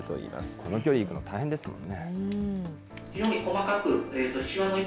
この距離行くの大変ですもんね。